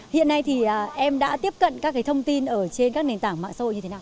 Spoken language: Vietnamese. hiện nay thì em đã tiếp cận các thông tin ở trên các nền tảng mạng xã hội như thế nào